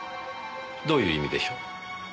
どういう意味でしょう？